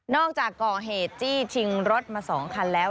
อกจากก่อเหตุจี้ชิงรถมา๒คันแล้ว